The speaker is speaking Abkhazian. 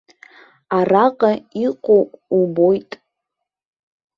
Араҟа иҟоу убоит.